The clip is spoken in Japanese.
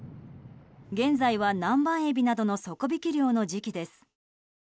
現在は、南蛮エビなどの底引き漁の時期です。